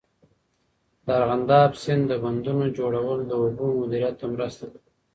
د ارغنداب سیند د بندونو جوړول د اوبو مدیریت ته مرسته کوي.